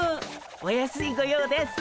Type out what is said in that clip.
お安いご用です！